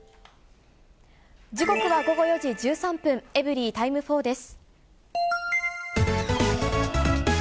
時刻は午後４時１３分、エブリィタイム４です。